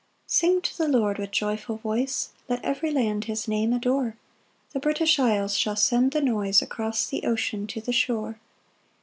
1 Sing to the Lord with joyful voice; Let every land his name adore; The British isles shall send the noise Across the ocean to the shore.